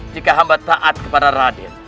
jika hamba taat kepada radit